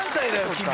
君。